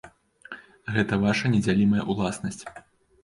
Гэта ваша недзялімая ўласнасць.